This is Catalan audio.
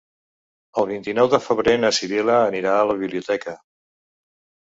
El vint-i-nou de febrer na Sibil·la anirà a la biblioteca.